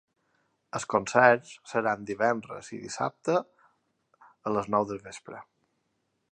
Els concerts seran divendres i dissabte a les nou del vespre.